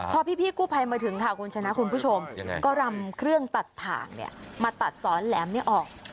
พอพี่กู้ภัยมาถึงค่ะคุณชนะคุณผู้ชมก็รำเครื่องตัดถ่างมาตัดสอนแหลมนี้ออก